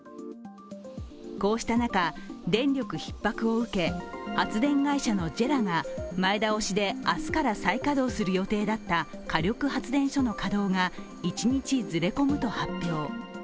こうした中、電力ひっ迫を受け、発電会社のＪＥＲＡが前倒しで明日から再稼働する予定だった火力発電所の稼働が１日ずれ込むと発表。